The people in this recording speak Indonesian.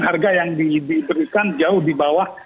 harga yang diberikan jauh di bawah